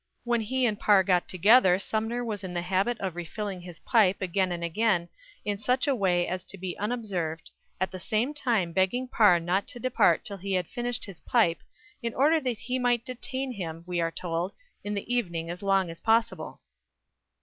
When he and Parr got together Sumner was in the habit of refilling his pipe again and again in such a way as to be unobserved, at the same time begging Parr not to depart till he had finished his pipe, in order that he might detain him, we are told, in the evening as long as possible.